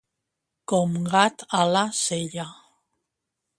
Com gat a la sella.